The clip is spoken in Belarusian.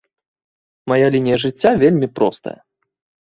Мая лінія жыцця вельмі простая.